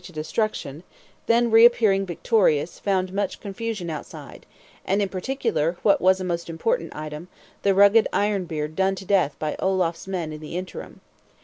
to destruction; then reappearing victorious, found much confusion outside, and, in particular, what was a most important item, the rugged Ironbeard done to death by Olaf's men in the interim.